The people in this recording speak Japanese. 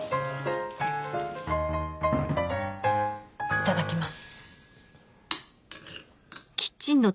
いただきます。